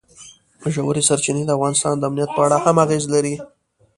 ژورې سرچینې د افغانستان د امنیت په اړه هم اغېز لري.